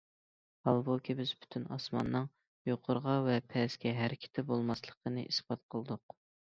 ھالبۇكى، بىز پۈتۈن ئاسماننىڭ يۇقىرىغا ۋە پەسكە ھەرىكىتى بولماسلىقىنى ئىسپات قىلدۇق.